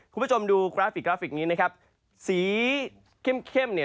คุณผู้ชมดูกราฟิกกราฟิกนี้นะครับสีเข้มเข้มเนี่ย